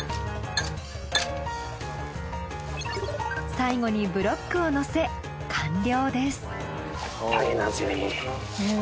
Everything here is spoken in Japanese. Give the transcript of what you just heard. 最後にブロックを乗せ完了です。